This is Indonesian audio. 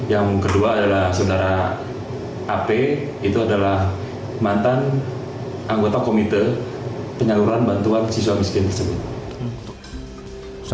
yang kedua adalah saudara ap itu adalah mantan anggota komite penyaluran bantuan siswa miskin tersebut